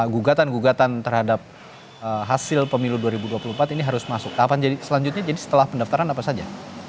gugatan gugatan terhadap hasil pemilu dua ribu dua puluh empat ini harus masuk tahapan selanjutnya jadi setelah pendaftaran apa saja